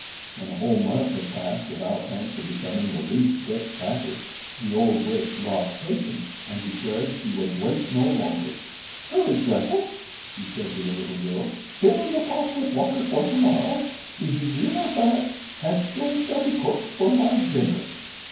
When a whole month had passed without Hansel becoming the least bit fatter, the old witch lost patience and declared she would wait no longer. "Hurry, Gretel," she said to the little girl, "fill the pot with water, for to morrow, be he lean or fat, Hansel shall be cooked for my dinner."